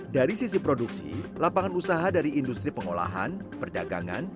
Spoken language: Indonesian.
dari sisi produksi lapangan usaha dari industri pengolahan perdagangan